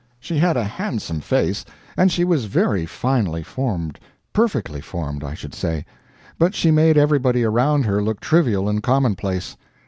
She had a handsome face, and she was very finely formed perfectly formed, I should say. But she made everybody around her look trivial and commonplace.